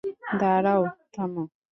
দাঁড়াও, থামো।